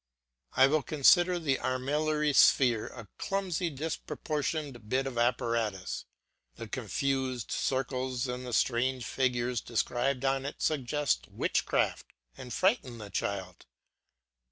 I consider the armillary sphere a clumsy disproportioned bit of apparatus. The confused circles and the strange figures described on it suggest witchcraft and frighten the child.